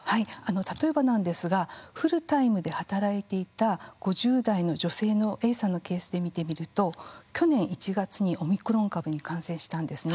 例えばなんですがフルタイムで働いていた５０代の女性のＡさんのケースで見てみると去年１月にオミクロン株に感染したんですね。